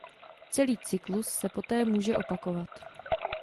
Celý cyklus se poté může opakovat.